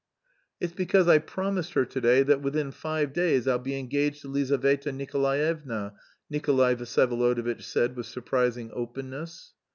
"It's because I promised her to day that within five days I'll be engaged to Lizaveta Nikolaevna," Nikolay Vsyevolodovitch said with surprising openness.